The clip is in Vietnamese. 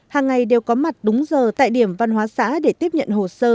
hàng ngày đều có mặt đúng giờ tại điểm văn hóa xã để tiếp nhận hồ sơ